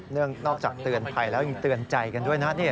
นอกจากเตือนภัยแล้วยังเตือนใจกันด้วยนะ